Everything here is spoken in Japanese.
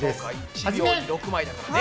１秒に６枚だからね。